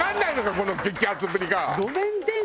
この激アツぶりが！